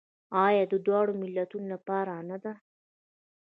آیا د دواړو ملتونو لپاره نه ده؟